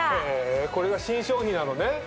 へぇこれが新商品なのね